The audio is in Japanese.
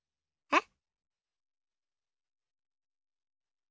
えっ？